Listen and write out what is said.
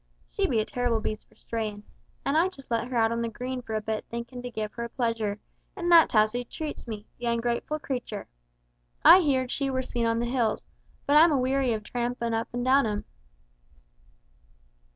She be a terrible beast for strayin', and I just let her out on the green for a bit thinkin' to give her a pleasure, and that's how she treats me, the ungrateful creature! I heerd she were seen on the hills, but I'm a weary of trampin' up and down 'em."